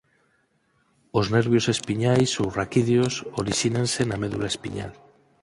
Os nervios espiñais ou raquídeos orixínanse na medula espiñal.